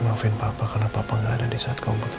maafin papa karena papa gak ada disaat kamu butuh papa